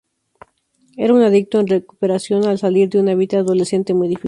Era un adicto en recuperación, al salir de una vida adolescente muy difícil.